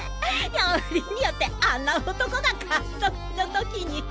よりによってあんな男が監督の時に。